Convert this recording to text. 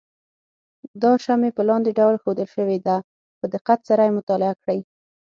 دا شمې په لاندې ډول ښودل شوې ده په دقت سره یې مطالعه کړئ.